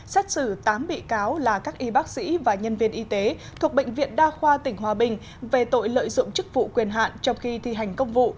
xét xử tám bị cáo là các y bác sĩ và nhân viên y tế thuộc bệnh viện đa khoa tỉnh hòa bình về tội lợi dụng chức vụ quyền hạn trong khi thi hành công vụ